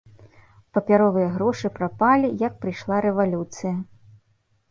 Папяровыя грошы прапалі, як прыйшла рэвалюцыя.